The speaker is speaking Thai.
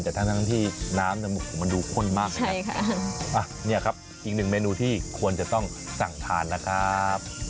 แต่ทั้งที่น้ำมันดูข้นมากเลยเนี่ยครับอีกหนึ่งเมนูที่ควรจะต้องสั่งทานนะครับ